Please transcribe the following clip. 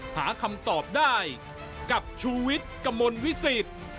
หาคำตอบได้กับชุวิตกมลวิสิต